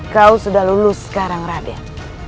kau sudah lulus sekarang raden